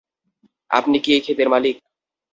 আপনি কী এই ক্ষেতের মালিক?